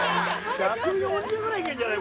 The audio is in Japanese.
１４０ぐらいいけるんじゃない？